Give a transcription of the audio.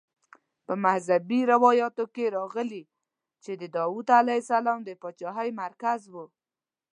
په مذهبي روایاتو کې راغلي چې د داود علیه السلام د پاچاهۍ مرکز وه.